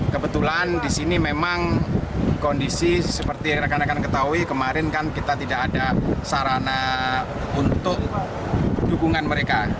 kebetulan di sini memang kondisi seperti rekan rekan ketahui kemarin kan kita tidak ada sarana untuk dukungan mereka